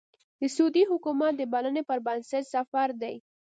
د سعودي حکومت د بلنې پر بنسټ سفر دی.